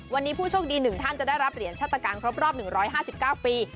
วันนี้ผู้โชคดี๑ท่านจะได้รับเหรียญชาติการครบรอบ๑๕๙ปี